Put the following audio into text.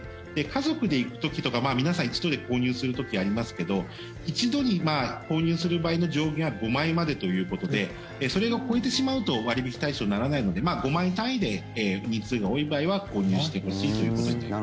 家族で行く時とか皆さん一度で購入する時ありますけど一度に購入する場合の上限は５枚までということでそれを超えてしまうと割引対象にならないので５枚単位で人数が多い場合は購入してほしいということです。